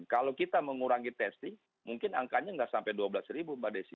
kalau kita mengurangi testing mungkin angkanya nggak sampai dua belas ribu mbak desi